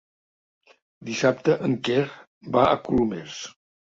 Dissabte en Quer va a Colomers.